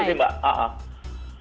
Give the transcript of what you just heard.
gitu sih mbak